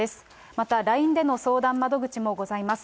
また、ＬＩＮＥでの相談窓口もございます。